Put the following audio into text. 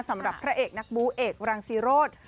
สำหรับพระเอกนักบูเอกรังซีโรธ